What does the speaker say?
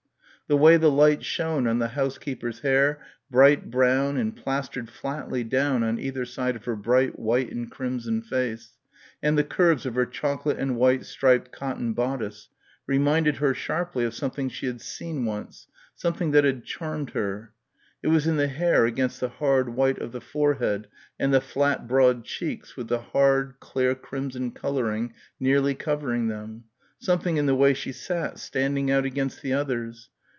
The way the light shone on the housekeeper's hair, bright brown and plastered flatly down on either side of her bright white and crimson face, and the curves of her chocolate and white striped cotton bodice, reminded her sharply of something she had seen once, something that had charmed her ... it was in the hair against the hard white of the forehead and the flat broad cheeks with the hard, clear crimson colouring nearly covering them ... something in the way she sat, standing out against the others....